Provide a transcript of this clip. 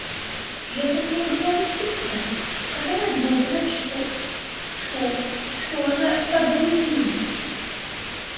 И это мне говорит сестра, которая думает, что... что... что она соболезнует!..